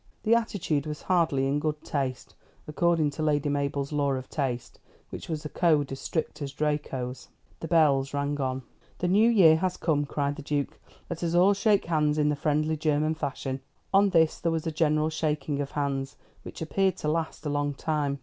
The attitude was hardly in good taste, according to Lady Mabel's law of taste, which was a code as strict as Draco's. The bells rang on. "The new year has come!" cried the Duke. "Let us all shake hands in the friendly German fashion." On this there was a general shaking of hands, which appeared to last a long time.